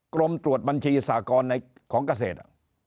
กรมตรวจบัญชีสากรของเกษตร